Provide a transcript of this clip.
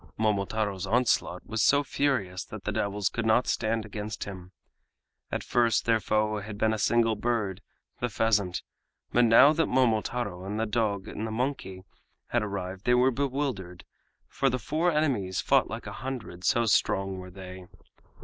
Momotaro's onslaught was so furious that the devils could not stand against him. At first their foe had been a single bird, the pheasant, but now that Momotaro and the dog and the monkey had arrived they were bewildered, for the four enemies fought like a hundred, so strong were they.